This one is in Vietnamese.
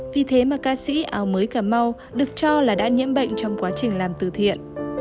vì thế mà ca sĩ áo mới cà mau được cho là đã nhiễm bệnh trong quá trình làm từ thiện